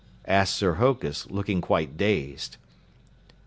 asked Sir Hokus, looking quite dazed.